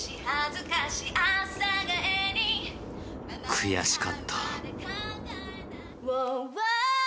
悔しかった。